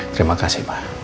terima kasih ma